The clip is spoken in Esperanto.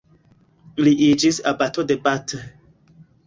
Li iĝis abato de Bath.